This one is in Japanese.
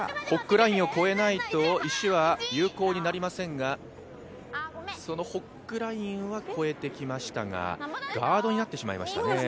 ホッグラインを越えないと石は有効になりませんが、ホッグラインは越えてきましたがガードになってしまいましたね。